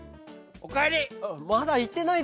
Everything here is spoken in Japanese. おかえり。